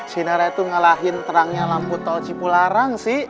sinarnya tuh ngalahin terangnya lampu tol cipu larang sih